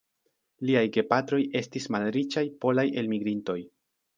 Liaj gepatroj estis malriĉaj polaj elmigrintoj.